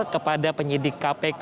kepada penyidik kpk